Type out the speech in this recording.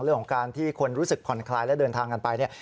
เรื่องของการที่คนรู้สึกผ่อนคลายและเดินทางกันไปเนี่ย